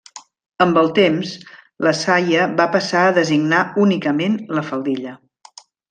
Amb el temps, la saia va passar a designar únicament la faldilla.